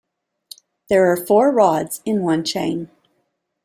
There are four rods in one chain.